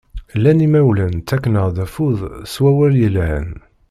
Llan imawlan ttaken-aɣ-d affud s wawal yelhan.